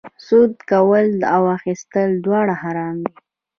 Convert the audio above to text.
سود کول او اخیستل دواړه حرام دي